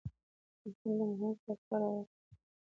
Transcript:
احمد له محمود سره شخړه وکړه